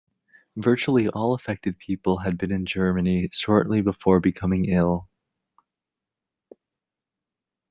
Virtually all affected people had been in Germany shortly before becoming ill.